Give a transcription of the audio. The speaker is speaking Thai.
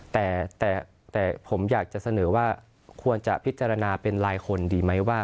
แต่ผมอยากจะเสนอว่าควรจะพิจารณาเป็นลายคนดีไหมว่า